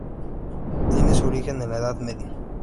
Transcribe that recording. Tiene su origen en la Edad Media.